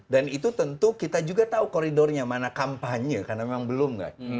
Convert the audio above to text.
itu tentu kita juga tahu koridornya mana kampanye karena memang belum kan